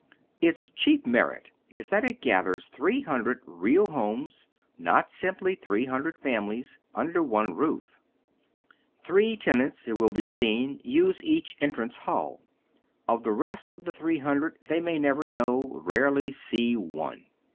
Its chief merit is that it gathers three hundred real homes, not simply three hundred families, under one roof. Three tenants, it will be seen, everywhere live together. Of the rest of the three hundred they may never know, rarely see, one.